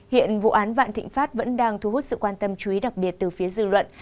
hiện vụ án vạn thịnh pháp vẫn đang thu hút sự quan tâm chú ý đặc biệt từ phía dư luận